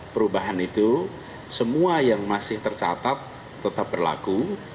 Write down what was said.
perubahan itu semua yang masih tercatat tetap berlaku